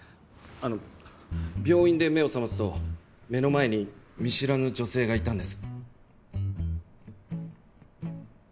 あの病院で目を覚ますと目の前に見知らぬ女性がいたんです。